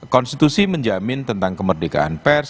konstitusi menjamin tentang kemerdekaan pers